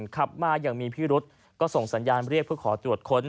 ขับมาอย่างมีพิรุษก็ส่งสัญญาณเรียกเพื่อขอตรวจค้น